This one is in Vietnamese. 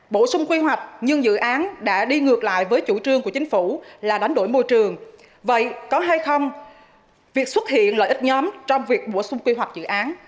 bổ sung quy hoạch nhưng dự án đã đi ngược lại với chủ trương của chính phủ là đánh đổi môi trường vậy có hay không việc xuất hiện lợi ích nhóm trong việc bổ sung quy hoạch dự án